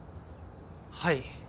はい。